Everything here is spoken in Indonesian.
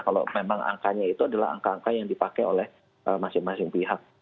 kalau memang angkanya itu adalah angka angka yang dipakai oleh masing masing pihak